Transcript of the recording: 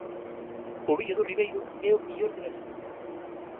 O viño do ribeiro é o mellor de Galicia.